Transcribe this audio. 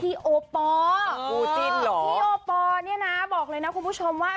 พี่โอปอร์พี่โอปอร์เนี่ยนะบอกเลยนะคุณผู้ชมว่า